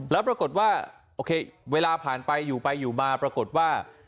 แล้วปรากฏว่าโอเคเวลาผ่านไปอยู่ไปอยู่มาปรากฏว่า